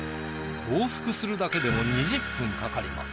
往復するだけでも２０分かかります。